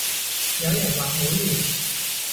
有人話好亂